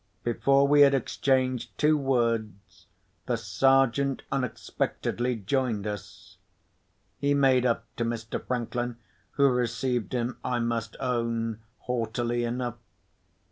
Before we had exchanged two words, the Sergeant unexpectedly joined us. He made up to Mr. Franklin, who received him, I must own, haughtily enough.